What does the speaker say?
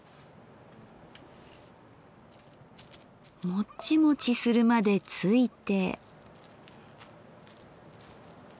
もちもちするまでついて。